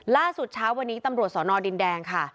ล่าสุดเช้าวันนี้ตำรวจสอนอดินแดงค่ะ